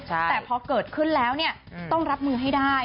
แต่พอเกิดขึ้นแล้วต้องรับมือให้ได้